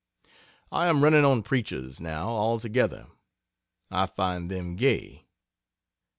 I am running on preachers, now, altogether. I find them gay.